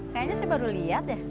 kayaknya saya baru lihat ya